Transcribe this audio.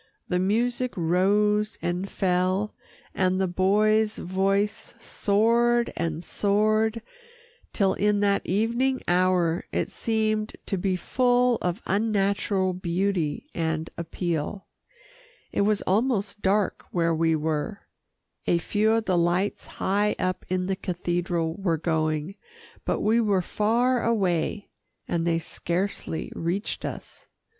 The music rose and fell, and the boy's voice soared and soared till in that evening hour, it seemed to be full of unnatural beauty and appeal. It was almost dark where we were. A few of the lights high up in the cathedral were going, but we were far away, and they scarcely reached us.